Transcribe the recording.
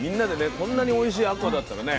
こんなにおいしいあこうだったらね